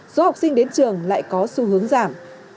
số học sinh đến trường lại có xu hướng giảm